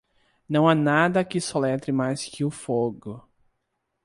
Não há nada que soletre mais que o fogo.